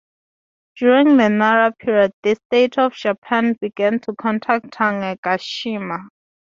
During the Nara period, the state of Japan began to contact Tanegashima.